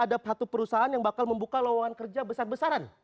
ada satu perusahaan yang bakal membuka lowongan kerja besar besaran